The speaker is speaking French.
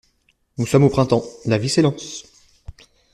Nous sommes au printemps, la vie s’élance.